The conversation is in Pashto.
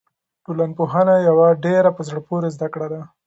ټولنپوهنه یوه ډېره په زړه پورې زده کړه ده.